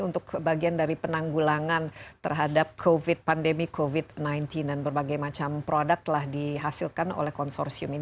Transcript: untuk bagian dari penanggulangan terhadap pandemi covid sembilan belas dan berbagai macam produk telah dihasilkan oleh konsorsium ini